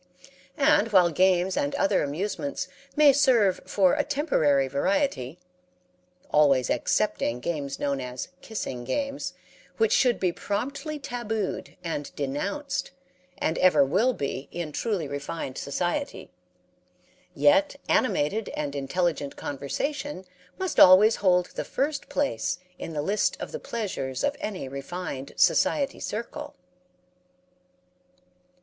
And while games and other amusements may serve for a temporary variety (always excepting games known as "kissing games," which should be promptly tabooed and denounced, and ever will be in truly refined society), yet animated and intelligent conversation must always hold the first place in the list of the pleasures of any refined society circle.